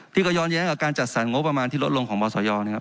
ที่ก็ย้อนเย้นกับการจัดสรรงบประมาณที่ลดลงของบสอย